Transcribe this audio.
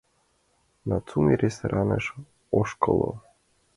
Нацуме рестораныш ошкыльо...